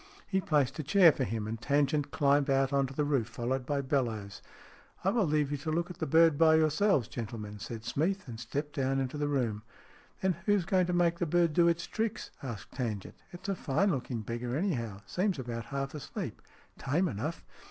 He placed a chair for him, and Tangent climbed out on to the roof, followed by Bellowes. " I will leave you to look at the bird by your selves, gentlemen," said Smeath, and stepped down into the room. "Then who's going to make the bird do its tricks ?" asked Tangent. " It's a fine looking beggar, anyhow. Seems about half asleep. Tame enough."